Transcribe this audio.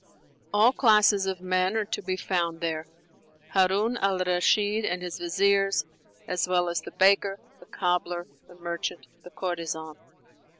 All classes of men are to be found there: Harun al Rashid and his viziers, as well as the baker, the cobbler, the merchant, the courtesan.